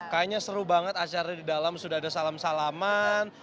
kayaknya seru banget acara di dalam sudah ada salam salaman